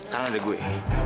karena ada gue